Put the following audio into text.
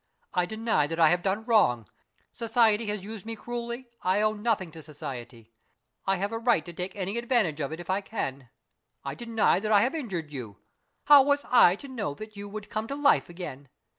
I deny that I have done wrong. Society has used me cruelly; I owe nothing to Society. I have a right to take any advantage of it if I can. I deny that I have injured you. How was I to know that you would come to life again?